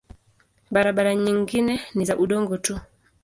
Barabara nyingine ni za udongo tu.